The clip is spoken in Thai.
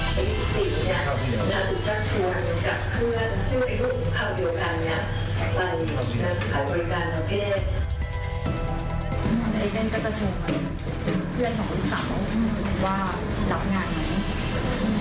ลูกสาวจะถามว่างานอะไร